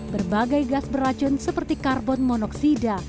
berbagai gas beracun seperti karbon monoksida